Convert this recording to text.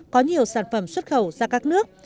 có nhiều sản phẩm xuất khẩu ra các nước